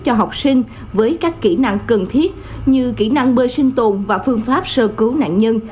cho học sinh với các kỹ năng cần thiết như kỹ năng bơi sinh tồn và phương pháp sơ cứu nạn nhân